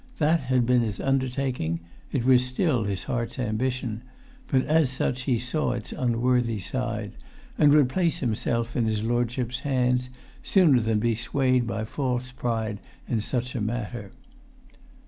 That had been his undertaking; it was still his heart's ambition; but as such he saw its unworthy side; and would place himself in his lordship's hands, sooner than be swayed by false pride in such a matter.